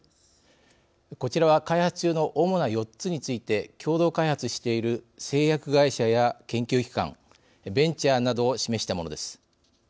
こちらは開発中の主な４つについて共同開発している製薬会社や研究機関ベンチャーなどを示したものです。